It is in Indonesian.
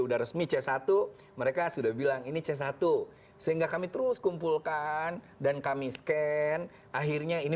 sudah resmi c satu mereka sudah bilang ini c satu sehingga kami terus kumpulkan dan kami scan akhirnya ini